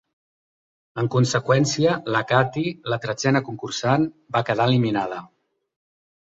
En conseqüència, la Kathy, la tretzena concursant, va quedar eliminada.